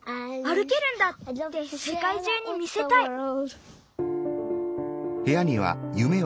「あるけるんだ！」ってせかい中に見せたい。